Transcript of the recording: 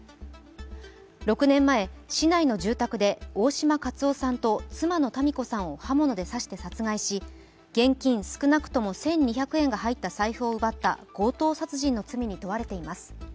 ６年前、市内の住宅で大島克夫さんと妻のたみ子さんを刃物で刺して殺害し、現金少なくとも１２００円が入った財布を奪った強盗殺人の罪に問われています。